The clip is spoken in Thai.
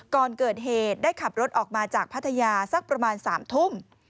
ก่อนเกิดเหตุได้ขับรถออกมาจากพัทยาสักประมาณ๓ทุ่ม